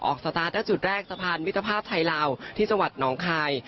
ออกสตาร์ทได้จุดแรกสะพานวิทยาภาพไทยลาวที่สวรรค์น้องคาย